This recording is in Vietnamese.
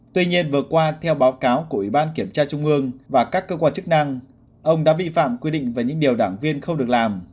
tuy nhiên vừa qua theo báo cáo của ủy ban kiểm tra trung ương và các cơ quan chức năng ông đã vi phạm quy định về những điều đảng viên không được làm